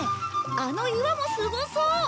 あの岩もすごそう！